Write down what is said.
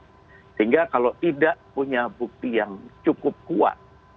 sehingga kalau tidak punya bukti yang cukup kuat